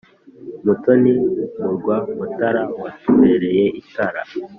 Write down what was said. Mutoni mu rwa Mutara watubereye itara